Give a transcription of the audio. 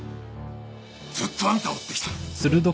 ずっとあんたを追ってきた。